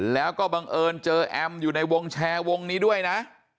แล้วก็บังเอิญเจอแอมอยู่ในวงแชร์วงนี้ด้วยนะ